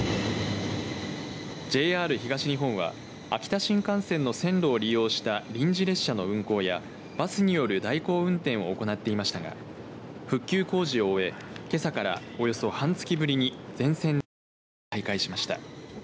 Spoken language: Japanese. ＪＲ東日本は秋田新幹線の線路を利用した臨時列車の運行やバスによる代行運転を行っていましたが復旧工事を終えけさからおよそ半月ぶりに全線で運転を再開しました。